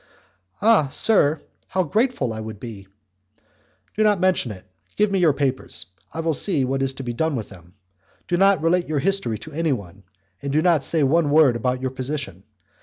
"Ah, sir! how grateful I would be!" "Do not mention it. Give me your papers, I will see what is to be done with them. Do not relate your history to anyone, and do not say one word about your position.